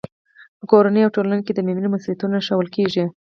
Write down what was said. په کورنۍ او ټولنه کې د مېرمنې مسؤلیتونه ښوول کېږي.